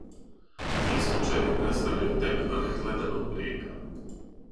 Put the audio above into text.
Ти случајеви представљају тек врх леденог брега.